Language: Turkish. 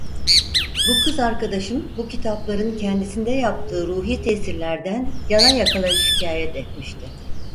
Bu kız arkadaşım bu kitapların kendisinde yaptığı ruhî tesirlerden yana yakıla şikâyet etmişti.